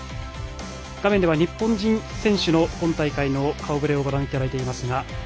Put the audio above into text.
画面では日本人選手の今大会の顔ぶれをご覧いただいています。